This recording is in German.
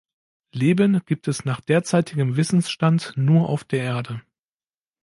Leben gibt es nach derzeitigem Wissensstand nur auf der Erde.